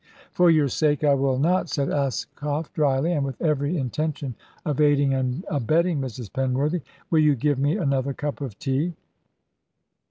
"For your sake, I will not," said Aksakoff, dryly, and with every intention of aiding and abetting Mrs. Penworthy. "Will you give me another cup of tea?"